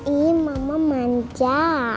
ih mama manja